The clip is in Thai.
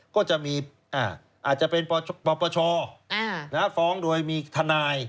ก็จะมีอาจจะเป็นปปชฟ้องโดยมีทนาย